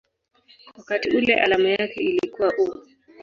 wakati ule alama yake ilikuwa µµ.